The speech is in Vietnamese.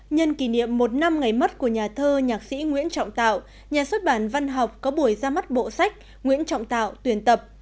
nhân kỷ niệm một năm ngày mất của nhà thơ nhạc sĩ nguyễn trọng tạo nhà xuất bản văn học có buổi ra mắt bộ sách nguyễn trọng tạo tuyển tập